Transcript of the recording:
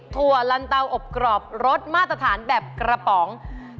ถั่ลันเตาอบกรอบรสมาตรฐานแบบกระป๋อง